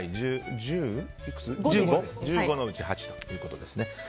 １５のうち８ということですね。